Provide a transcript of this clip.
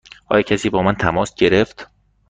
آیا کسی با من تماس گرفت؟